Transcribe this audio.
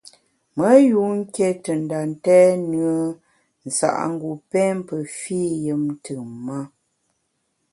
Me yun nké te nda ntèn nùe nsa’ngu pém pe fî yùm ntùm-ma.